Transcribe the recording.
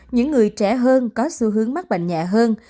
những người trẻ hơn có xu hướng mắc bệnh nhẹ hơn